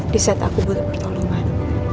di saat aku butuh pertolongan